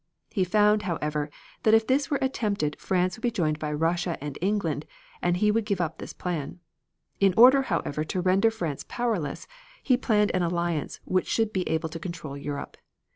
He found, however, that if this were attempted France would be joined by Russia and England and he gave up this plan. In order, however, to render France powerless he planned an alliance which should be able to control Europe.